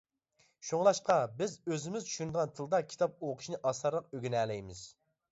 شۇڭلاشقا بىز ئۆزىمىز چۈشىنىدىغان تىلدا كىتاب ئوقۇشنى ئاسانراق ئۆگىنەلەيمىز.